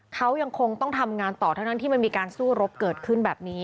เขายังคงต้องทำงานต่อเท่านั้นที่มันมีการสู้รบเกิดขึ้นแบบนี้